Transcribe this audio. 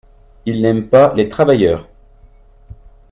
Ils n’aiment pas les travailleurs.